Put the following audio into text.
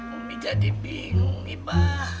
umi jadi bingung iba